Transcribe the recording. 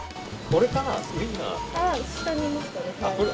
これかな？